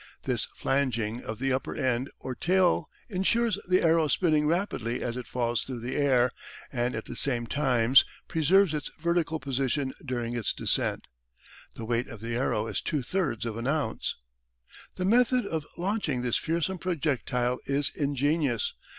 This flanging of the upper end or tail ensures the arrow spinning rapidly as it falls through the air, and at the same times preserves its vertical position during its descent. The weight of the arrow is two thirds of an ounce. The method of launching this fearsome projectile is ingenious.